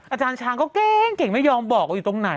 อาจารย์ชางเขาเกรงเก่งไม่ยอมบอกอยู่ตรงไหน